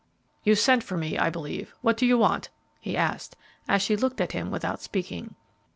"You sent for me, I believe. What do you want?" he asked, as she looked at him without speaking.